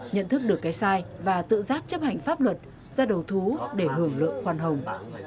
nhận thức được cái sai và tự giác chấp hành pháp luật ra đầu thú để hưởng lượng khoan hồng